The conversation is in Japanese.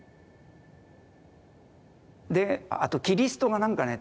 あとキリストがなんかね